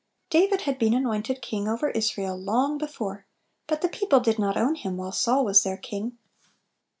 DAVID had been anointed king ovei Israel long before, but the people did not own him while Saul was their king.